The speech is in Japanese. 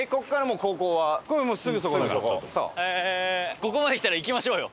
ここまで来たら行きましょうよ。